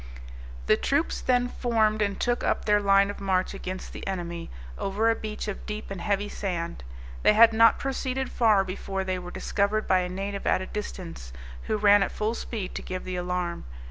The troops then formed and took up their line of march against the enemy, over a beach of deep and heavy sand. They had not proceeded far before they were discovered by a native at a distance, who ran at full speed to give the alarm.